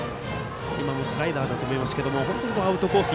今のはスライダーだと思いますがアウトコース